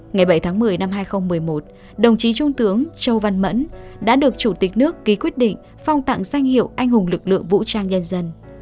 ngày bảy tháng một mươi năm hai nghìn một mươi một đồng chí trung tướng châu văn mẫn đã được chủ tịch nước ký quyết định phong tặng danh hiệu anh hùng lực lượng vũ trang nhân dân